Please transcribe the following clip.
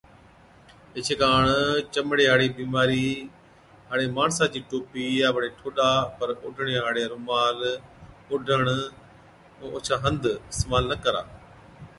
ايڇي ڪاڻ چمڙي هاڙِي بِيمارِي هاڙي ماڻسا چِي ٽوپِي يان بڙي ٺوڏا پر اوڍڻي هاڙَي رومال، اوڍڻ ائُون اوڇا هنڌ اِستعمال نہ ڪرا۔